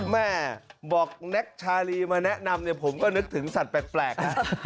แม่บอกแน็กชาลีมาแนะนำเนี่ยผมก็นึกถึงสัตว์แปลกนะ